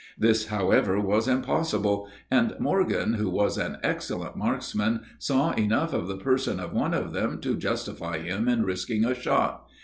This, however, was impossible; and Morgan, who was an excellent marksman, saw enough of the person of one of them to justify him in risking a shot.